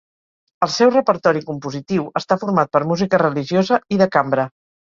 El seu repertori compositiu està format per música religiosa i de cambra.